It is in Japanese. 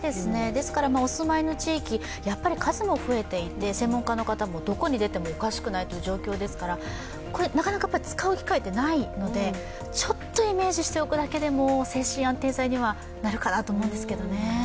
ですからお住まいの地域、やっぱり数も増えていて、専門家の方も、どこに出てもおかしくないという状況ですからなかなか使う機会ってないのでちょっとイメージしておくだけでも精神安定剤にはなるかなと思うんですけどね。